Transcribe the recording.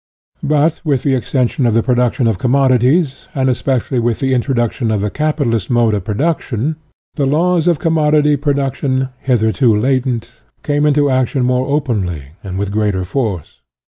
But with the extension of the production of commodities, and especially with the in troduction of the capitalist mode of pro duction, the laws of commodity production, hitherto latent, came into action more openly and with greater force.